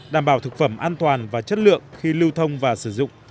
đảm bảo thực phẩm an toàn và chất lượng khi lưu thông và sử dụng